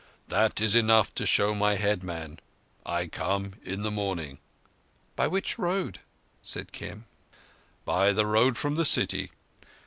"That is enough to show my headman. I come in the morning." "By which road?" said Kim. "By the road from the city.